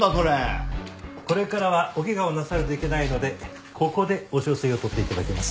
これからはお怪我をなさるといけないのでここでお小水を取って頂きます。